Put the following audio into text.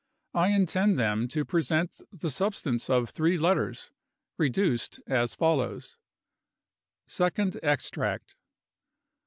I intend them to present the substance of three letters, reduced as follows: Second Extract.